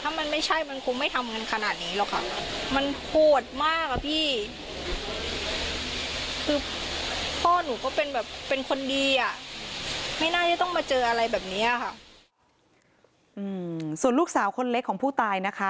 ไม่น่าจะต้องมาเจออะไรแบบเนี้ยค่ะอืมส่วนลูกสาวคนเล็กของผู้ตายนะคะ